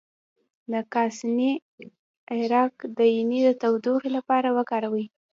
د کاسني عرق د ینې د تودوخې لپاره وکاروئ